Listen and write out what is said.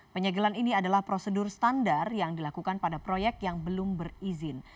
penyegelan ini adalah prosedur standar yang dilakukan pada proyek yang belum berizin